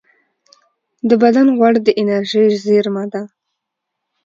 د بدن غوړ د انرژۍ زېرمه ده